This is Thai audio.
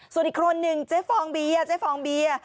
ส่วนอีกคนนึงเจ๊ฟองเบียร์เจ๊ฟองเบียร์